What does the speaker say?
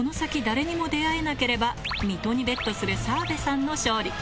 誰にも出会えなければ水戸にＢＥＴする澤部さんの勝利